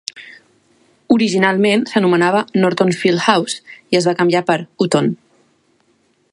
Originalment, s'anomenava Norton Field House i es va canviar per Hutton.